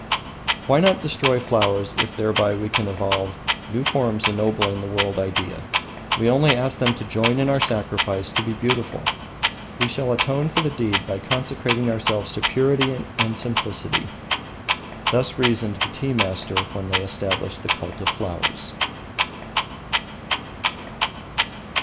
Why not destroy flowers if thereby we can evolve new forms ennobling the world idea? We only ask them to join in our sacrifice to the beautiful. We shall atone for the deed by consecrating ourselves to Purity and Simplicity. Thus reasoned the tea masters when they established the Cult of Flowers.